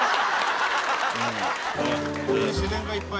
自然がいっぱい。